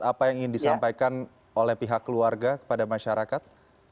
apa yang ingin disampaikan oleh pihak keluarga kepada masyarakat